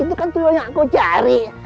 itu kan tujuan yang aku cari